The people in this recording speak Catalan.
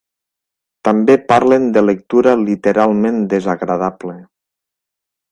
També parlen de lectura literalment desagradable.